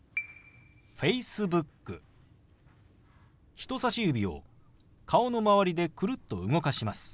人さし指を顔の周りでくるっと動かします。